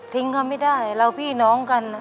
เขาไม่ได้เราพี่น้องกัน